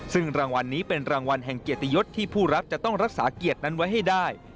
ซึ่งรางวัลนี้เป็นรางวัลแห่งเกียรติยศที่ผู้รับจะต้องรักษาเกียรตินั้นไว้ให้ได้